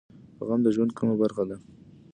غم د ژوند کومه برخه ده؟